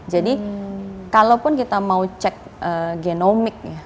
jadi kalaupun kita mau cek genomic ya